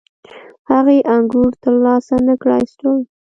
هغې انګور ترلاسه نه کړای شول.